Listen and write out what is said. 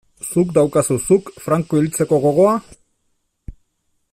Zuk daukazu, zuk, Franco hiltzeko gogoa?